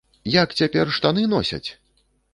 Як цяпер штаны носяць?